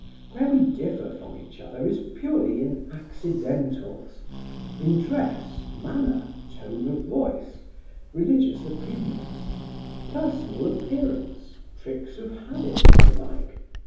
Where we differ from each other is purely in accidentals: in dress, manner, tone of voice, religious opinions, personal appearance, tricks of habit and the like.